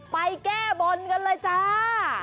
ไปแก้บนกันเลยจ้า